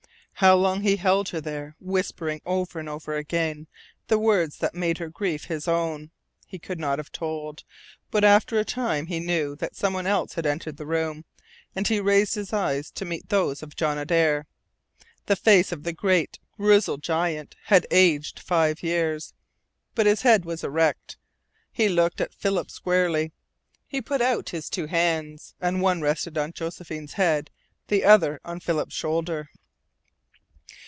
How long he held her there, whispering over and over again the words that made her grief his own, he could not have told; but after a time he knew that some one else had entered the room, and he raised his eyes to meet those of John Adare. The face of the great, grizzled giant had aged five years. But his head was erect. He looked at Philip squarely. He put out his two hands, and one rested on Josephine's head, the other on Philip's shoulder.